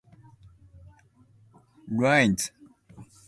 It was however for many years in ruins.